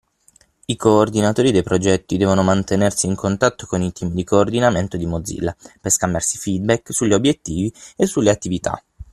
I coordinatori dei progetti devono mantenersi in contatto con i team di coordinamento di Mozilla per scambiarsi feedback sugli obiettivi e sulle attività.